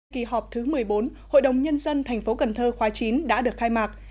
kỳ họp thứ một mươi bốn hội đồng nhân dân thành phố cần thơ khóa chín đã được khai mạc